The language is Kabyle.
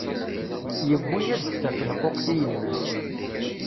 Yewwi-yas-d tafelquqt i yemma-s.